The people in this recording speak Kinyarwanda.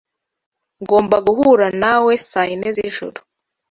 Ngomba guhura nawe saa yine zijoro.